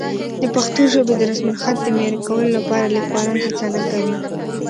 د پښتو ژبې د رسمالخط د معیاري کولو لپاره لیکوالان هڅه نه کوي.